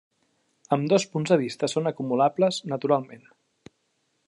Ambdós punts de vista són acumulables, naturalment.